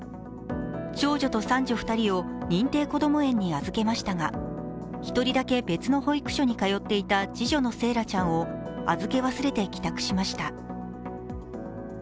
長女と三女２人を認定こども園に預けましたが１人だけ別の保育所に通っていた次女の惺愛ちゃんを預け忘れて帰宅しました。